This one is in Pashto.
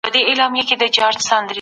که درسونه ثبت سي، معلومات له منځه نه ځي.